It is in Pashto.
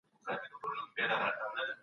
چې وايي زموږ ژبه وروسته پاتې ده.